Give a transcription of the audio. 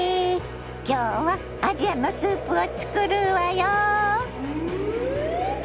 今日はアジアのスープを作るわよ。